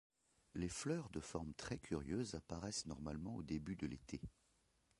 Les fleurs de forme très curieuse apparaissent normalement au début de l'été.